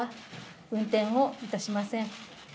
運転をいたしません。